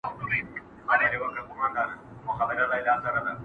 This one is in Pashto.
له مُسکۍ ښکلي مي خولګۍ غوښته؛